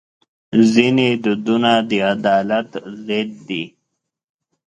ځینې دودونه د عدالت ضد دي.